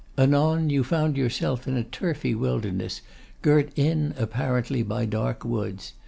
Anon you found yourself in a turfy wilderness, girt in apparently by dark woods.